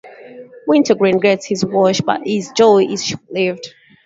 Wintergreen gets his wish, but his joy is short-lived.